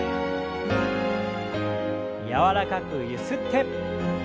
柔らかくゆすって。